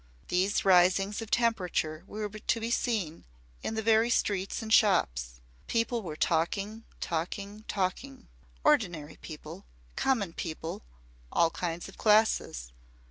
These risings of temperature were to be seen in the very streets and shops. People were talking talking talking. Ordinary people, common people, all kinds of classes.